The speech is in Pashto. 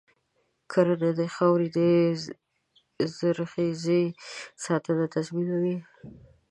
کرنه د خاورې د زرخیزۍ ساتنه تضمینوي.